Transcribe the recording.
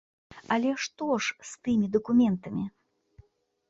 Але што ж з тымі дакументамі?